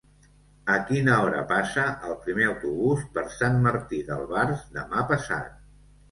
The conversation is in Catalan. A quina hora passa el primer autobús per Sant Martí d'Albars demà passat?